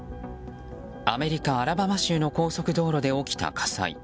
アメリカ・アラバマ州の高速道路で起きた火災。